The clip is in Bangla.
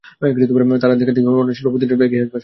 তাঁদের দেখাদেখি অন্যান্য শিল্পপ্রতিষ্ঠানও এগিয়ে আসবে আশা করি।